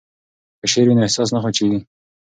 که شعر وي نو احساس نه وچیږي.